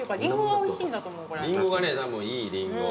リンゴがねいいリンゴ。